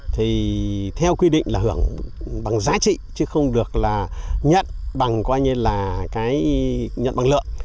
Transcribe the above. thì theo quy định là hưởng bằng giá trị chứ không được là nhận bằng coi như là cái nhận bằng lượng